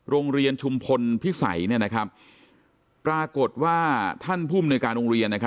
โรงเรียนชุมพลพิสัยปรากฏว่าท่านภูมิในการโรงเรียน